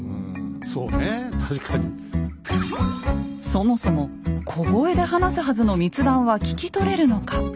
そもそも小声で話すはずの密談は聞き取れるのか？